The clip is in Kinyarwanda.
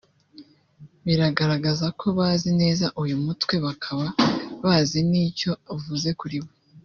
biragaraza ko bazi neza uyu mutwe baka bazi n’icyo uvuze kuri bo